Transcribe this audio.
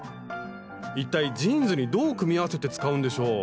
一体ジーンズにどう組み合わせて使うんでしょう？